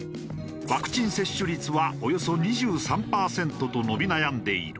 ワクチン接種率はおよそ２３パーセントと伸び悩んでいる。